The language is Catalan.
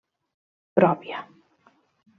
Pròpia.